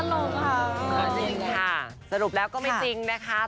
ลงค่ะจริงค่ะสรุปแล้วก็ไม่จริงนะคะ